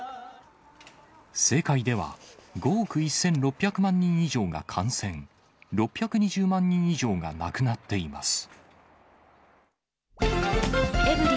世界では、５億１６００万人以上が感染、６２０万人以上が亡くなっています。